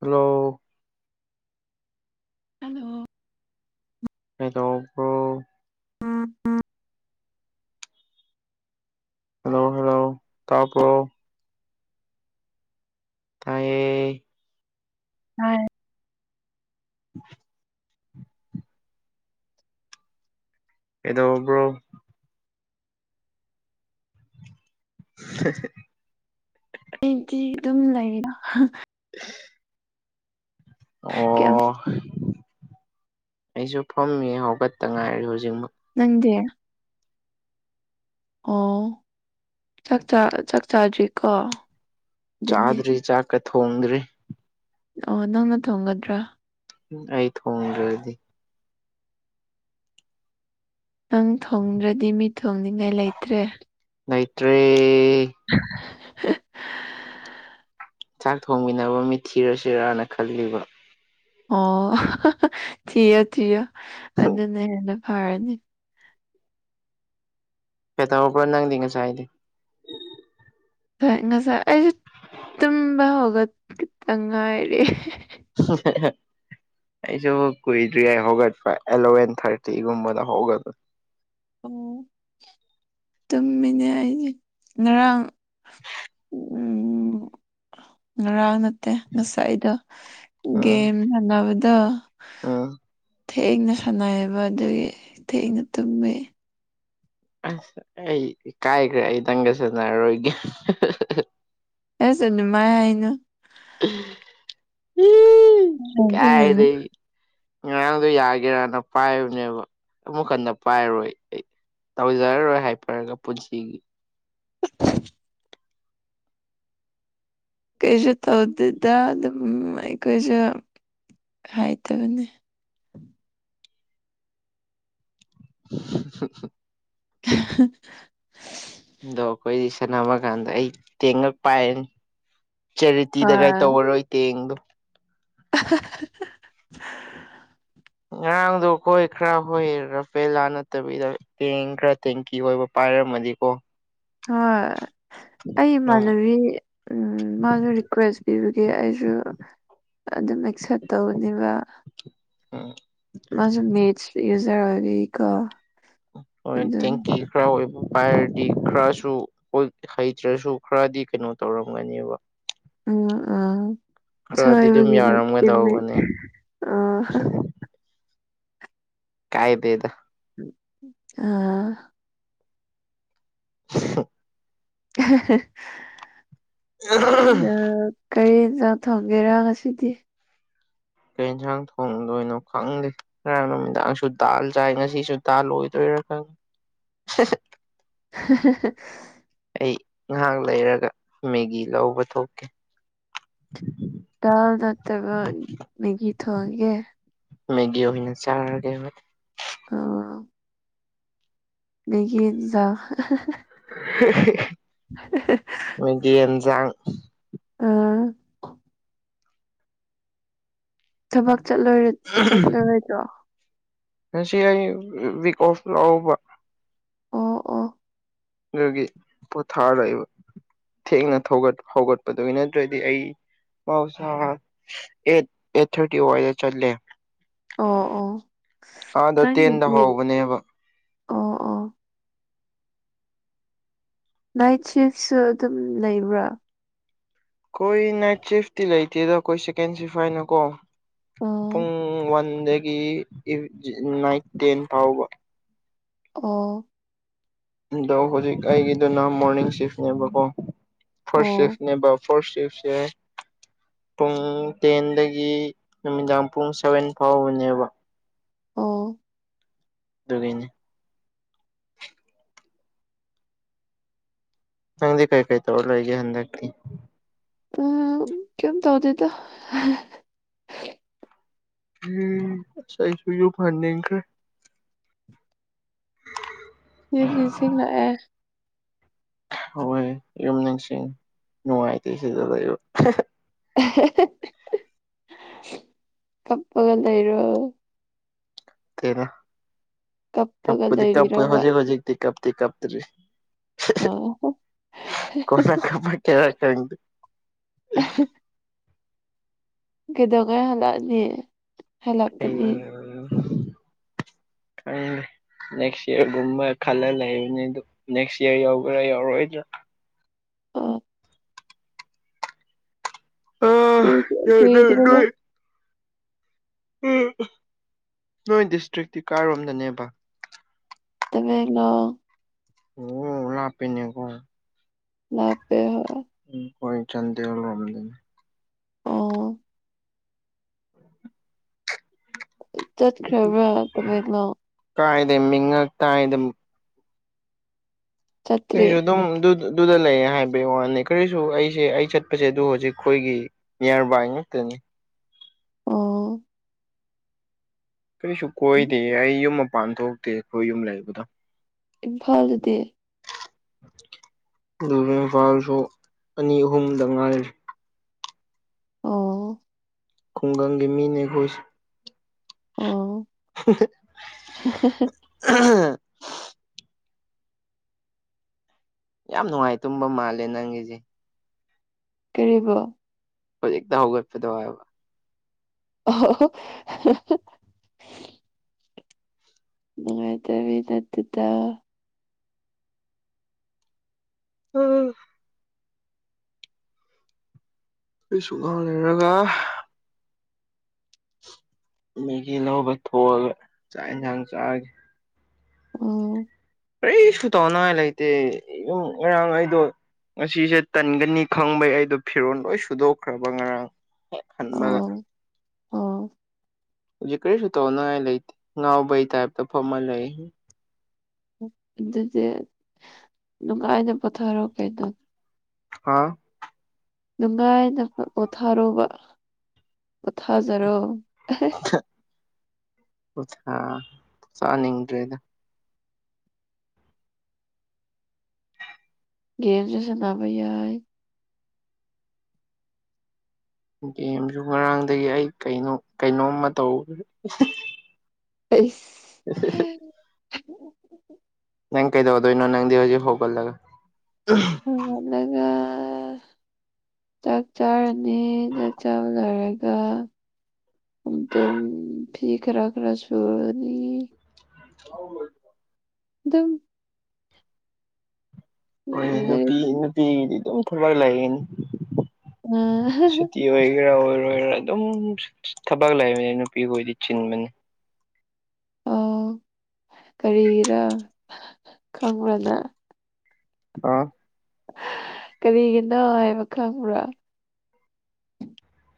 ꯔꯂꯣ hello ꯑꯩꯗꯣꯣ hello hello ꯇꯥꯄ꯭ꯔꯣ ꯇꯥꯏꯌꯦ ꯎꯝ ꯑ ꯑꯦꯗꯣꯕ꯭ꯔꯣ ꯁ ꯑꯦꯇꯤ ꯑꯗꯨꯝ ꯂꯩꯔ [unintelligible] ꯀ ꯑꯣ ꯑꯩꯁꯨ ꯐꯝꯃꯤ ꯍꯧꯒꯠꯇ ꯉꯥꯏꯔꯦ ꯍꯧꯖꯤꯛꯃꯛ ꯅꯪꯗꯦ ꯑꯣ ꯆꯥꯛ ꯆꯥꯗ꯭ꯔꯤꯀꯣ ꯑꯗꯨꯗꯤ ꯆꯥꯗ꯭ꯔꯤ ꯆꯥꯛꯀ ꯊꯣꯡꯗ꯭ꯔꯤ ꯑꯣ ꯅꯪꯅ ꯊꯣꯡꯒꯗ꯭ꯔꯥ ꯎ ꯑꯩ ꯊꯣꯡꯗ꯭ꯔꯗꯤ ꯅꯪ ꯊꯣꯡꯗ꯭ꯔꯗꯤ ꯃꯤ ꯊꯣꯡꯅꯤꯡꯉꯥꯏ ꯂꯩꯇ꯭ꯔꯦ ꯅꯇ꯭ꯔꯔꯤ [unintelligible] ꯆꯥꯛ ꯊꯣꯡꯃꯤꯟꯅꯕ ꯃꯤꯠ ꯊꯤꯔꯁꯤꯔꯥꯅ ꯈꯜꯂꯤꯕ ꯑꯣ ꯊꯤꯌꯣ ꯊꯤꯌꯣ ꯑꯗꯨꯅ ꯍꯦꯟꯅ ꯐꯔꯅꯤ ꯄꯦꯠꯇꯔꯕꯔꯥ ꯅꯪꯗꯤ ꯉꯁꯥꯏꯗꯤ ꯉ ꯉꯁꯥꯏ ꯑꯩꯁꯦ ꯇꯨꯝꯕ ꯍꯧꯒ ꯈꯤꯇꯪ ꯉꯥꯏꯔ [unintelligible] ꯑꯩꯁꯨ ꯀꯨꯏꯗ꯭ꯔꯤ ꯌꯥꯏ ꯍꯧꯒꯠꯄ ꯑꯦꯂꯚꯦꯟ ꯊꯥꯔꯇꯤꯒꯨꯝꯕꯗ ꯍꯧꯒꯠ ꯑꯣ ꯇꯨꯝꯃꯤꯅꯦ ꯑꯩꯗꯤ ꯉꯔꯥꯡ ꯎꯝ ꯉꯔꯥꯡ ꯅꯠꯇꯦ ꯉꯁꯥꯏꯗꯣ ꯎꯝ ꯒꯦꯝ ꯁꯥꯟꯅꯕꯗꯣ ꯎꯝ ꯊꯦꯡꯅ ꯁꯥꯟꯅꯩꯌꯦꯕ ꯑꯗꯨꯒꯤ ꯊꯦꯡꯉ ꯇꯃꯦ ꯑꯁ ꯑꯩ ꯀꯥꯏꯈ꯭ꯔꯦ ꯑꯩ ꯅꯪꯒ ꯁꯥꯟꯟꯅꯔꯔꯣꯏꯒꯦ [inaudible] ꯑꯦꯁꯨ ꯑꯗꯨꯃ ꯍꯥꯏꯅ ꯎꯝ ꯍꯥꯏꯖꯤꯟꯅꯅꯨ ꯀꯥꯏꯗꯏ ꯉꯔꯥꯡꯗꯣ ꯌꯥꯒꯦꯔꯅ ꯄꯥꯏꯕꯅꯦꯕ ꯑꯃꯨꯛ ꯍꯟꯗ ꯄꯥꯏꯔꯣꯏ ꯑꯩ ꯇꯧꯖꯔꯔꯣꯏ ꯍꯥꯏꯐꯔꯒ ꯄꯨꯟꯁꯤꯒꯤ [inaudible] ꯀꯩꯁꯨ ꯇꯧꯗꯦꯗ ꯑꯗꯨꯝ ꯑꯩꯈꯣꯏꯁꯨ ꯍꯥꯏꯇꯕꯅꯤ [unintelligible] [unintelligible] ꯗꯣ ꯑꯩꯈꯣꯏꯗꯤ ꯁꯥꯟꯅꯝꯃ ꯀꯥꯟꯗ ꯑꯩ ꯇꯦꯡꯉꯛ ꯄꯥꯏꯔꯅꯤ ꯆꯦꯔꯤꯇꯤꯗꯒꯥꯏ ꯍꯣꯏ ꯇꯧꯔꯔꯣꯏ ꯇꯦꯡꯗꯣ [unintelligible] ꯉꯔꯥꯡꯗꯣ ꯍꯣꯏ ꯈꯔ ꯍꯣꯏꯔ ꯄꯦꯂꯥ ꯅꯠꯇꯕꯤꯗ ꯇꯦꯡ ꯈꯔ ꯇꯦꯡꯀꯤ ꯑꯣꯏꯕ ꯄꯥꯏꯔꯝꯃꯗꯤꯀꯣ ꯍ ꯑꯩ ꯑꯗꯨꯝ ꯃꯥꯅꯕꯤ ꯎꯝ ꯃꯥꯁꯨ ꯔꯤꯀ꯭ꯋꯦꯁ ꯄꯤꯕꯒꯦ ꯑꯩꯁꯨ ꯑꯗꯨꯝ ꯑꯦꯛꯁꯦꯞ ꯇꯧꯕꯅꯦꯕ ꯎꯝ ꯖꯔꯒꯀ ꯍꯣꯏ ꯊꯦꯡꯛ ꯌꯨ ꯈꯔ ꯑꯣꯏꯕ ꯄꯥꯏꯔꯗꯤ ꯈꯔꯁꯨ ꯍꯩꯇ꯭ꯔꯁꯨ ꯈꯔꯗꯤ ꯀꯩꯅꯣ ꯇꯧꯔꯝꯒꯅꯦꯕ ꯎꯝ ꯑ ꯈꯔꯗꯤ ꯑꯗꯨꯝ ꯁꯕꯒꯤꯅ ꯌꯥꯔꯝꯒꯗꯧꯕꯅꯦ ꯇ ꯑ ꯀꯥꯏ ꯦꯗ ꯑꯥ [unintelligible] [unintelligible] ꯑꯗ‌ꯣ ꯀꯔꯤ ꯏꯟꯖꯥꯡ ꯊꯣꯡꯒꯦꯔꯥ ꯉꯁꯤꯗꯤ ꯀꯩ ꯌ‌ꯦꯟꯖꯥꯡ ꯊꯣꯡꯗꯣꯏꯅꯣ ꯈꯪꯗꯦ ꯉꯔꯥꯡ ꯅꯨꯃꯤꯗꯥꯡꯁꯨ ꯗꯥꯜ ꯆꯥꯏ ꯉꯁꯤꯁꯨ ꯗꯥꯥꯜ ꯑꯣꯏꯗꯣꯏꯔꯥ ꯈꯪ [unintelligible] ꯑꯩ ꯉꯍꯥꯛ ꯂꯩꯔꯒ ꯃꯦꯒꯤ ꯂꯧꯕ ꯊꯣꯛꯀꯦ ꯗꯥꯜ ꯅꯠꯇꯒ ꯃꯦꯒꯤ ꯊꯣꯡꯉꯒ‌ꯦ ꯃꯦꯒꯤ ꯑꯣꯏꯅ ꯆꯥꯔꯒ‌ꯦ ꯑꯣ ꯃ‌ꯦꯒꯤ ꯏꯟꯖꯥꯡ ꯃꯣꯏꯒꯤ ꯌꯦꯟꯖꯥꯡ ꯑꯥ ꯊꯕꯛ ꯆꯠꯂꯔꯣ ꯆꯠꯂꯔ‌ꯣꯏꯗ꯭ꯔꯣ ꯉꯁꯤ ꯑꯩ ꯋꯤꯛ ꯑꯣꯐ ꯂꯧꯕ ꯑꯣ ꯑꯣ ꯑꯗꯨꯒꯤ ꯄꯣꯊꯥꯔ ꯂꯩꯕ ꯊꯦꯡꯅ ꯊꯧꯒꯠ ꯍꯧꯒꯠꯄꯗꯨꯒꯤꯅ‌ꯦ ꯅꯠꯇ꯭ꯔꯗꯤ ꯑꯩ ꯃꯍꯧꯁꯥ ꯑꯦꯠ ꯑꯦꯠ ꯊꯥꯔꯇꯤ ꯋꯥꯏꯗ ꯆꯠꯂꯦ ꯑꯣ ꯑꯣ ꯑꯥꯗ ꯇꯦꯟꯗ ꯅꯪꯒꯤꯗꯤ ꯍꯧꯕꯅꯦꯕ ꯑꯣ ꯑꯣ ꯅꯥꯏꯠ ꯁꯤꯐꯁꯨ ꯑꯗꯨꯝ ꯂꯩꯕ꯭ꯔꯥ ꯑꯩꯈꯣꯏ ꯅꯥꯏꯠ ꯁꯤꯐꯇꯤ ꯂꯩꯇꯦꯗ ꯈꯣꯏ ꯁꯦꯀꯦꯟ ꯁꯤꯐ ꯍꯥꯏꯅ ꯀꯣ ꯑꯣ ꯄꯨꯡ ꯋꯥꯟꯗꯒꯤ ꯏ ꯅꯥꯏꯠ ꯇꯦꯟ ꯐꯥꯎꯕ ꯑꯣ ꯑꯗꯣ ꯍꯧꯖꯤꯛ ꯑꯩꯒꯤꯗꯨꯅ ꯃꯣꯔꯅꯤꯡ ꯁꯤꯐꯅꯦꯕꯀꯣ ꯐꯥꯔꯁ ꯑꯣ ꯁꯤꯐꯅꯦꯕ ꯐꯥꯔꯁ ꯁꯤꯐꯁꯦ ꯄꯨꯡ ꯇꯦꯟꯗꯒꯤ ꯅꯨꯃꯤꯗꯥꯡ ꯄꯨꯡ ꯁꯚꯦꯟ ꯐꯥꯎꯕꯅꯦꯕ ꯑꯣ ꯑꯗꯨꯒꯤꯅꯤ ꯅꯪꯗꯤ ꯀꯩ ꯀꯩ ꯇꯧꯔ ꯂꯩꯒ‌ꯦ ꯍꯟꯗꯛꯇꯤ ꯑ ꯀꯩꯝ ꯇꯧꯗꯦꯗ ꯎꯝ ꯑꯁ ꯑꯩꯁꯨ ꯌꯝ ꯍꯟꯅꯤꯡꯈ꯭ꯔ‌ꯦ ꯌꯨꯝ ꯅꯤꯡꯁꯤꯡ ꯂꯛꯑꯦ ꯍꯣꯏ ꯌꯨꯝ ꯅꯤꯡꯁꯤꯡ ꯅꯨꯡꯉꯥꯏꯇꯦ ꯁꯤꯗ ꯂꯩꯕ [unintelligible] ꯀꯞꯄꯒ ꯂꯩꯔꯣ ꯇ‌ꯦꯗ ꯀꯞꯄꯒ ꯀꯞꯄꯗꯤ ꯀꯞꯄ‌ꯣꯏ ꯂꯩꯕꯤꯔꯕ ꯍꯧꯖꯤꯛ ꯍꯧꯖꯤꯛꯗꯤ ꯀꯞꯇꯤ ꯀꯥꯞꯇꯔꯤ ꯑꯣ [unintelligible] ꯀꯃꯥꯏꯟ ꯀꯩꯔꯥꯛ ꯈꯪꯗ‌ꯦ ꯀꯩꯗꯧꯉꯩ ꯍꯜꯂꯛꯅꯤ ꯍꯜꯂꯛꯀꯅꯤ ꯈꯪꯗ‌ꯦ ꯅꯦꯛꯁ ꯏꯌꯥꯔꯒꯨꯝꯕ ꯈꯜꯂ ꯂꯩꯕꯅꯤ ꯑꯗꯨ ꯅꯦꯛꯁ ꯏꯌꯥꯔ ꯌꯎꯕ꯭ꯔꯥ ꯌꯥꯎꯔꯣꯏꯗ꯭ꯔꯥ ꯑꯣ ꯑ ꯀꯨꯏꯗꯤ ꯀꯨꯏꯗ꯭ꯔꯦ ꯀ‌ꯣ ꯎꯝ ꯑ ꯅꯣꯏ ꯗꯤꯁꯇ꯭ꯔꯤꯛꯇꯤ ꯀꯥꯏꯔꯣꯝꯗꯅꯦꯕ ꯇꯃ‌ꯦꯡꯂ‌ꯣꯡ ꯑꯣ ꯂꯥꯞꯄ‌ꯦꯅꯦꯀꯣ ꯂꯥꯞꯄꯦ ꯍ‌ꯣꯏ ꯎꯝ ꯈ‌ꯣꯏ ꯆꯥꯟꯗꯦꯜꯔꯣꯝꯗꯅꯤ ꯑꯣ ꯆꯠꯈ꯭ꯔꯕ꯭ꯔ ꯀꯩꯗꯧꯏꯅꯣ ꯀꯥꯏꯗ ꯃꯤꯉ ꯀꯥꯏꯗ ꯆꯠꯇ꯭ꯔꯤ ꯀꯁꯨ ꯑꯗꯨꯝ ꯑꯗꯨꯗ ꯂꯩꯌꯦ ꯍꯥꯏꯕꯩ ꯋꯥꯅꯤ ꯀꯔꯤꯁꯨ ꯑꯩꯁꯦ ꯑꯩ ꯆꯠꯄꯁꯦ ꯑꯗꯨ ꯍꯧꯖꯤꯛ ꯑꯩꯈꯣꯏꯒꯤ ꯅꯤꯌꯔꯕꯥꯏꯉꯛꯇꯅꯤ ꯑꯣ ꯀꯔꯤꯁꯨ ꯀꯣꯏꯗꯦ ꯑꯩ ꯌꯨꯝ ꯃꯄꯥꯟ ꯊꯣꯛꯇꯦ ꯑꯈꯣꯏ ꯌꯨꯝ ꯂꯩꯕꯗꯣ ꯏꯝꯐꯥꯜꯗꯗꯤ ꯑꯗꯨꯒ ꯏꯝꯐꯥꯜꯁꯨ ꯑꯅꯤ ꯑꯍꯨꯝꯗ ꯉꯥꯏꯔꯤ ꯑꯣ ꯈꯨꯡꯒꯪꯒꯤ ꯃꯤꯅꯤ ꯑꯩꯈꯣꯏꯁꯤ ꯑꯣ ꯍꯍ ꯌꯥꯝ ꯅꯨꯡꯉꯥꯏ ꯇꯨꯝꯕ ꯃꯥꯜꯂꯦ ꯅꯪꯒꯤꯁꯦ ꯀꯔꯤꯕꯣ ꯍꯧꯖꯤꯛꯇ ꯍꯧꯒꯠꯄꯗꯣ ꯍꯥꯏꯕ ꯑꯣ ꯅꯨꯡꯉꯥꯏꯗꯕꯤ ꯅꯠꯇꯦꯗ ꯎꯝ ꯑꯩꯁꯨ ꯉꯛ ꯂꯩꯔꯒ ꯃꯦꯒꯤ ꯂꯧꯕ ꯊꯣꯛꯑꯒ ꯆꯥꯛ ꯌꯦꯟꯁꯥꯡ ꯆꯥꯒꯦ ꯑꯣ ꯀꯩꯁꯨ ꯇꯧꯅꯤꯡꯉꯥꯏ ꯂꯩꯇꯦ ꯌꯨꯝ ꯉꯔꯥꯡ ꯑꯩꯗꯣ ꯉꯁꯤꯁꯦ ꯇꯟꯒꯅꯤ ꯈꯪꯕꯩ ꯑꯩꯗꯣ ꯐꯤꯔꯣꯜ ꯂꯣꯏ ꯁꯨꯗꯣꯛꯈ꯭ꯔꯕ ꯉꯔꯥꯡ ꯈꯟꯕꯒ ꯑꯣ ꯑꯣ ꯍꯨꯖꯤꯛ ꯀꯔꯤꯁꯨꯨ ꯇꯧꯅꯤꯡꯉꯥꯏ ꯂꯩꯇꯦ ꯉꯥꯎꯕꯩ ꯇꯥꯏꯞꯇ ꯐꯝꯃꯒ ꯂꯩ ꯑꯗꯨꯗꯤ ꯅꯨꯡꯉꯥꯏꯅ ꯄꯣꯊꯥꯔꯣ ꯀꯩꯅꯣ ꯍꯥꯥꯎ ꯅꯨꯡꯉꯥꯏꯅ ꯄꯣꯊꯥꯔꯣꯕ ꯄꯣꯊꯥꯖꯔꯣ ꯄꯣꯊꯥꯅꯤꯡꯗ꯭ꯔꯦꯗ ꯒꯦꯝꯁꯨ ꯁꯥꯟꯅꯕ ꯌꯥꯏ ꯒꯦꯝꯁꯨ ꯉꯔꯥꯡꯗꯒꯤ ꯑꯩ ꯀꯩꯅꯣ ꯀꯩꯅꯣꯝꯃ ꯇꯧ ꯍꯩꯁ ꯑꯦꯍꯦꯍꯦ ꯅꯪ ꯀꯩ ꯇꯧꯗꯣꯏꯅꯣ ꯅꯪꯗꯤ ꯍꯧꯖꯤꯛ ꯍꯧꯒꯇꯂꯒ ꯎꯝ ꯍꯧꯒꯠꯂꯒ ꯆꯥꯛ ꯆꯥꯔꯅꯤ ꯆꯥꯛ ꯆꯥꯕ ꯂꯣꯏꯔꯒ ꯑꯗꯨꯝ ꯐꯤ ꯈꯔ ꯈꯔ ꯁꯨꯔꯅꯤ ꯆꯥꯎꯂꯣꯏ ꯑꯗꯨꯝ ꯍꯣꯏ ꯅꯨꯄꯤ ꯅꯨꯄꯤꯒꯤꯗꯤ ꯑꯗꯨꯝ ꯊꯕꯛ ꯂꯩꯒꯅꯤ ꯑꯥ ꯍꯥ ꯍꯥ ꯅꯨꯄꯤ ꯑꯣꯏꯒꯦꯔꯥ ꯑꯣꯏꯔꯣꯏꯒꯦꯔꯥ ꯑꯗꯨꯝ ꯊꯕꯛ ꯂꯩꯕꯅꯤ ꯅꯨꯄꯤꯈꯣꯏꯗꯤ ꯆꯤꯟꯕꯅꯤ ꯀꯔꯤꯒꯤꯔ ꯈꯪꯕ꯭ꯔ ꯅꯪ ꯑꯥ ꯀꯔꯤꯒꯤꯅꯣ ꯍꯥꯏꯕ ꯈꯪꯕ꯭ꯔꯥ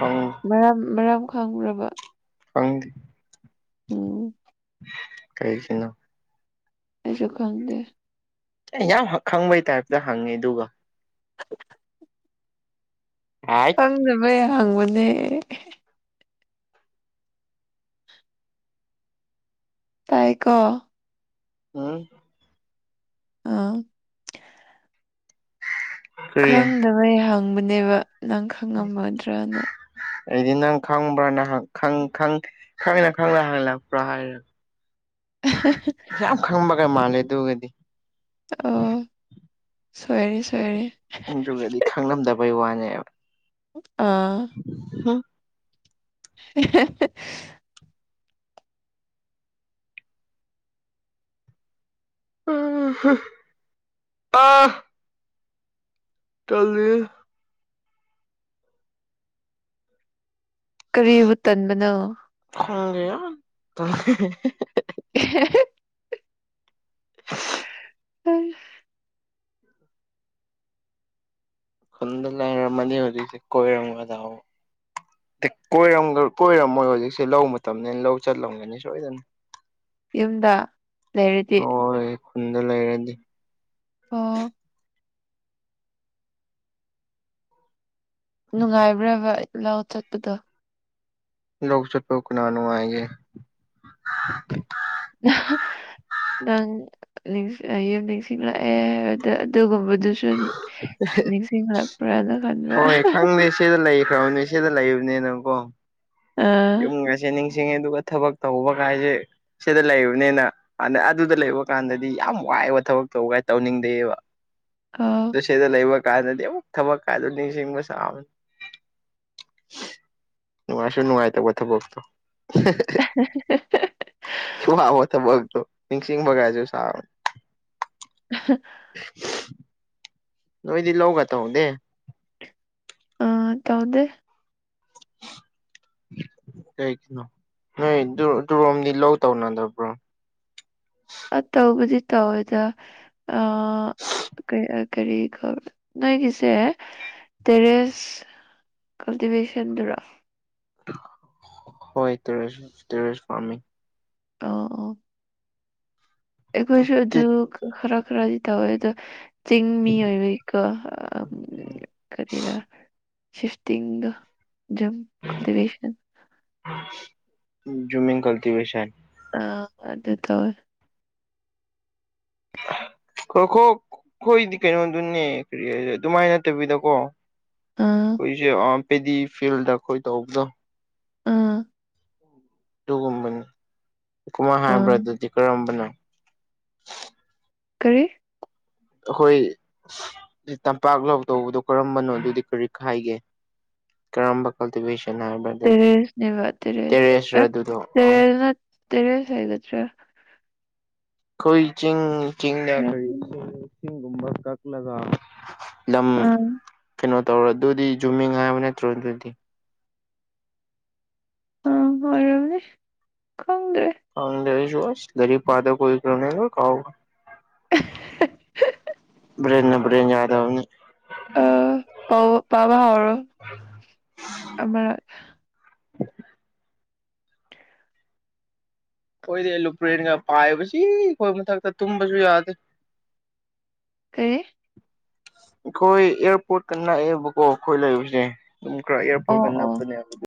ꯑꯧ ꯃꯔꯝ ꯃꯔꯝ ꯈꯪꯕꯔ꯭ ꯕ ꯈꯪꯗꯦ ꯎꯝ ꯀꯩꯒꯤꯅꯣ ꯑꯩꯁꯨ ꯈꯪꯗꯦ ꯑꯩ ꯌꯥꯝ ꯈꯪꯕꯩ ꯇꯥꯏꯞꯇ ꯍꯪꯉꯦ ꯑꯗꯨꯒ [inaudible] ꯑꯥꯢꯠ ꯈꯡꯗꯕꯩ ꯍꯡꯕꯅꯦ ꯇꯥꯏꯀꯣ ꯍꯝ ꯑꯥ ꯀꯔꯤ ꯈꯪꯗꯕꯩ ꯍꯪꯕꯅꯦꯕ ꯅꯪ ꯈꯪꯉꯝꯃꯗ꯭ꯔꯅ ꯑꯩꯗꯤ ꯅꯪ ꯈꯪꯕ꯭ꯔꯥ ꯅ ꯍꯪ ꯈꯪ ꯈꯪ ꯈꯪꯅ ꯈꯪꯅ ꯍꯪꯂꯛꯄ꯭ꯔꯥ ꯍꯥꯏꯔ [inaudible] ꯌꯥꯝ ꯈꯪꯕꯒ ꯃꯥꯜꯂꯦ ꯑꯗꯨꯒꯗꯤ ꯑꯣ ꯁꯣꯏꯔꯦ ꯁꯣꯏꯔꯦ ꯑꯗꯨꯒꯗꯤ ꯈꯪꯂꯝꯗꯕꯩ ꯋꯥꯅꯦꯕ ꯑꯥ ꯍꯝ ꯏꯍꯦꯍꯦ [unintelligible] ꯑꯥ ꯇꯜꯂꯤꯍꯦ ꯀꯔꯤꯕꯨ ꯇꯟꯕꯅꯣ ꯈꯪꯗꯦ ꯌꯥꯝ ꯇꯂꯦ ꯏꯍꯦꯍꯦ [unintelligible] ꯑꯁ ꯈꯨꯟꯗ ꯂꯩꯔꯃꯅꯤ ꯍꯧꯖꯤꯛꯇꯤ ꯀꯣꯏꯔꯝꯒꯗꯕ ꯀꯣꯏꯔꯝ ꯀꯣꯢꯔꯝꯃꯣꯏ ꯍꯧꯖꯤꯛꯁꯦ ꯂꯧ ꯃꯇꯝꯅꯤꯅ ꯂꯧ ꯆꯠꯂꯝꯒꯅꯤ ꯁꯣꯏꯗꯅ ꯌꯨꯝꯗ ꯂꯩꯔꯗꯤ ꯍꯣꯏ ꯈꯨꯟꯗ ꯂꯩꯔꯗꯤ ꯑꯣꯍ ꯅꯨꯡꯉꯥꯏꯕ꯭ꯔꯕ ꯂꯥꯎ ꯆꯠꯄꯗꯣ ꯂꯧ ꯆꯠꯄꯕꯨ ꯀꯅꯥ ꯅꯨꯉꯥꯏꯒꯦ ꯅꯍ ꯅꯪ ꯌꯨꯝ ꯅꯤꯡꯁꯤꯡꯂꯛꯑꯦ ꯑꯗꯨꯒꯨꯝꯕꯗꯨꯁꯨ ꯅꯤꯡꯁꯤꯡꯂꯛ ꯄ꯭ꯔꯥꯅ ꯈꯟꯕ ꯍꯣꯏ ꯈꯪꯗꯦ ꯁꯤꯗ ꯂꯩꯈ꯭ꯔꯕꯅꯦ ꯁꯤꯗ ꯂꯩꯕꯅꯤꯅ ꯀꯣ ꯑꯥ ꯌꯨꯝꯒꯁꯦ ꯅꯤꯡꯁꯤꯡꯉꯦ ꯑꯗꯨꯒ ꯊꯕꯛ ꯇꯧꯕ ꯀꯥꯏꯁꯦ ꯁꯤꯗ ꯂꯩꯔꯕꯅꯤꯅ ꯍꯥꯟꯅ ꯑꯗꯨꯗ ꯂꯩꯕ ꯀꯥꯟꯗꯗꯤ ꯌꯥꯝ ꯋꯥꯏꯕ ꯊꯕꯛ ꯇꯧꯕ ꯀꯥꯏ ꯇꯧꯅꯤꯡꯗꯦꯑꯕ ꯀ ꯁꯤꯗ ꯂꯩꯕ ꯀꯥꯟꯗꯗꯤ ꯑꯃꯨꯛ ꯊꯕꯛ ꯀꯥꯟꯗꯣ ꯅꯤꯡꯁꯤꯡꯕ ꯁꯥꯕꯅꯤ ꯅꯨꯡꯉꯥꯏꯁꯨ ꯅꯨꯡꯉꯥꯏꯇꯕ ꯊꯕꯛꯇꯣ [unintelligible] [inaudible] [unintelligible] ꯊꯕꯛꯇꯣ ꯅꯤꯡꯁꯤꯡꯕꯒꯥꯁꯨ ꯁꯥꯢ ꯑꯍꯥ [unintelligible] ꯅꯣꯏꯗꯤ ꯂꯧꯒ ꯇꯧꯗꯦ ꯑ ꯇꯧꯗꯦ [inaudible] ꯀꯩꯒꯤꯅꯣ ꯅꯣꯏ ꯇꯨꯔꯣꯝꯗꯤ ꯂꯧ ꯇꯧꯅꯗꯕ꯭ꯔꯣ ꯑ ꯇꯧꯕꯨꯗꯤ ꯇꯧꯋꯦꯗ ꯑ ꯀ ꯀꯔꯤ ꯅꯣꯢꯒꯤꯁꯦ ꯇꯦꯔꯦꯁ ꯀꯜꯇꯤꯚꯦꯁꯟ ꯗꯨꯔꯣ ꯍꯣꯏ ꯇꯔꯦꯁ ꯇꯦꯔꯦꯁ ꯐꯥꯔꯃꯤꯡ ꯑꯣ ꯑꯩꯣꯏꯁꯨ ꯑꯗꯨꯗꯨ ꯈꯔ ꯈꯔꯗꯗ ꯑꯣꯏꯗ ꯆꯤꯡ ꯃꯤ ꯑꯣꯏꯕꯀꯣ ꯀꯔꯥ ꯁꯤꯐꯇ ꯝ ꯀꯜꯇꯤꯚꯦꯁꯟ ꯖꯨꯃꯤ ꯀꯜꯇꯤꯚꯦꯁꯟ ꯑ ꯑꯗꯨꯗ ꯇꯋꯦ ꯈꯣꯏꯈꯣ ꯑꯩꯈꯣꯏꯗꯤ ꯀꯩꯅꯣꯗꯨꯅꯦꯔꯤ ꯑꯗꯨꯃꯥꯏꯅ ꯅꯠꯇꯕꯤꯗꯀꯣ ꯑꯥ ꯀꯣꯏꯁꯦ ꯑꯄꯦꯗꯤ ꯐꯤꯜꯈꯣꯏ ꯇꯕꯖ ꯑꯥ ꯑꯗꯨꯒꯨꯝꯕꯅꯤꯀꯃ ꯑꯥ ꯍꯥꯏꯕ꯭ꯔ ꯑꯗꯨꯗꯤ ꯀꯔꯝꯕꯅꯣ ꯀꯔꯤ ꯑꯩꯈꯣꯏ ꯇꯝꯄꯥꯛ ꯂꯥꯎ ꯇꯧꯕꯗꯣ ꯀꯔꯝꯕꯅꯣ ꯑꯗꯨꯗꯤ ꯀꯔꯤ ꯍꯥꯏꯥꯏꯒꯦ ꯀꯔꯝꯕ ꯀꯜꯇꯤꯚꯦꯁꯟ ꯍꯥꯏꯕ ꯇꯦꯔꯁꯅꯤꯚ ꯇꯦꯔꯁ ꯑꯦ ꯑꯗꯨꯗꯣ ꯇꯦꯔꯁ ꯇꯦꯔꯁ ꯍꯥꯏꯠꯇ ꯑꯩꯈꯣꯏ ꯆꯤꯡ ꯆꯤꯡꯗ ꯑꯣꯏꯔꯝꯅꯤ ꯀꯔꯤꯁꯤꯡ ꯏꯁꯤꯡꯒꯨꯝꯕ ꯀꯛꯂꯒ ꯂꯝ ꯑꯥ ꯀꯩꯅꯣ ꯇꯧꯔꯣ ꯑꯗꯨꯗꯤ ꯖꯨꯃꯤꯡ ꯍꯥꯏꯕ ꯅꯠꯇ꯭ꯔꯣ ꯑꯗꯨꯗꯤ ꯑ ꯑꯣꯏꯔꯝꯅꯦ ꯈꯪꯗ꯭ꯔꯦ ꯥꯎꯁꯨꯁ ꯒꯔꯤ ꯐꯥꯗ ꯀ꯭ꯔꯅꯦ ꯀꯥꯎ ꯭ꯔꯦ ꯕ꯭ꯔꯦꯅ ꯌꯥꯗ ꯑ ꯄꯥꯎ ꯄꯕꯔꯣ ꯑꯔ ꯑꯩꯈꯣꯏꯗꯤ ꯂꯨꯄ꯭ꯔꯦꯟꯒ ꯄꯥꯏꯕꯁꯤ ꯑꯩꯈꯣꯏ ꯃꯊꯛꯇ ꯇꯨꯝꯕꯁꯨ ꯌꯥꯗꯦ ꯀ ꯑꯩꯈꯣꯏ ꯑꯦꯌꯥꯔꯄꯣꯔꯠꯀ ꯅꯛꯑꯦꯕꯀꯣ ꯑꯩꯈꯣꯏ ꯂꯩꯕꯁꯦ ꯑꯗꯨꯝ ꯈꯔ ꯑꯣ ꯑꯦꯌꯥꯔꯄꯣꯔꯠꯀ ꯑꯣ ꯅꯛꯄꯅꯦꯕ